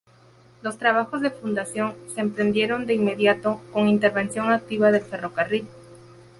Los trabajos de fundación se emprendieron de inmediato, con intervención activa del ferrocarril.